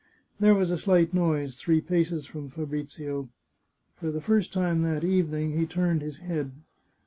There was a slight noise three paces from Fabrizio. For the first time that evening he turned his head.